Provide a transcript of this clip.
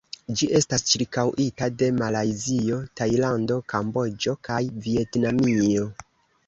Ĝi estas ĉirkaŭita de Malajzio, Tajlando, Kamboĝo kaj Vjetnamio.